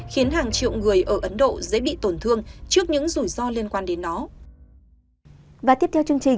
khiến hàng triệu người ở ấn độ dễ bị tổn thương trước những rủi ro liên quan đến nó